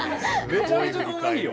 めちゃめちゃかわいいよ。